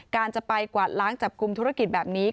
การจะไปกวาดล้างจับกลุ่มธุรกิจแบบนี้